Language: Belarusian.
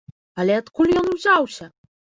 Але адкуль ён узяўся?